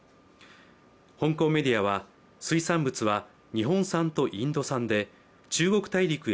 香港メディアは水産物は日本産とインド産で、中国大陸へ